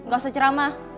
gak usah ceramah